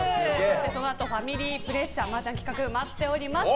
そのあとファミリープレッシャーマージャン企画待っております。